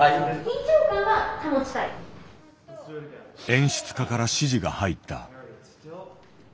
演出家から指示が入った。